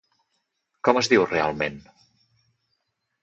Com es diu realment?